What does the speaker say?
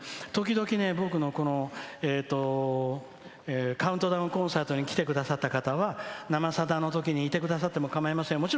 時々、僕のカウントダウンコンサートに来てくださった方は「生さだ」のときにいてくださっても構いません。